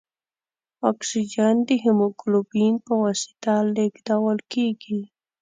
اکسیجن د هیموګلوبین په واسطه لېږدوال کېږي.